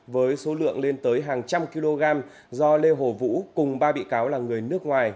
với số lượng lên tới hàng trăm kg do lê hồ vũ cùng ba bị cáo là người nước ngoài